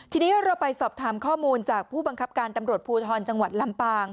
ทีนี้เราไปสอบถามข้อมูลจากผู้บังคับการตำรวจภูทรจังหวัดลำปาง